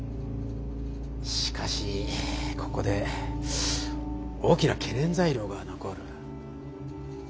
しかしここで大きな懸念材料が残る。